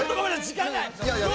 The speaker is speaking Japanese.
時間ない！